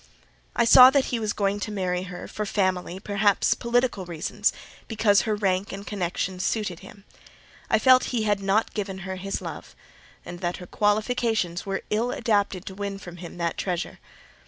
I saw he was going to marry her, for family, perhaps political reasons, because her rank and connections suited him; I felt he had not given her his love, and that her qualifications were ill adapted to win from him that treasure.